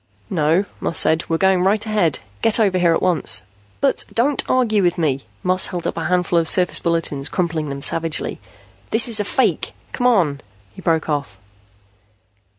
"No," Moss said. "We're going right ahead. Get over here at once." "But " "Don't argue with me." Moss held up a handful of surface bulletins, crumpling them savagely. "This is a fake. Come on!" He broke off.